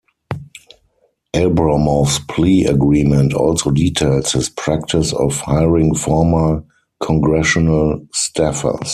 Abramoff's plea agreement also details his practice of hiring former congressional staffers.